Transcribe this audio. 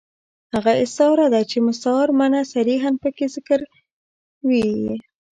هغه استعاره ده، چي مستعار منه صریحاً پکښي ذکر ىوى يي.